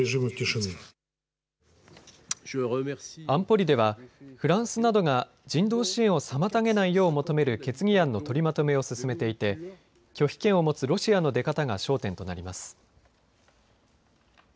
安保理ではフランスなどが人道支援を妨げないよう求める決議案の取りまとめを進めていて拒否権を持つロシアの出方が焦点となります。